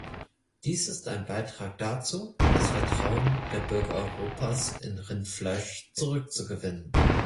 Dies ist ein Beitrag dazu, das Vertrauen der Bürger Europas in Rindfleisch zurückzugewinnen.